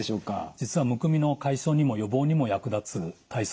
実はむくみの解消にも予防にも役立つ体操があるんですよ。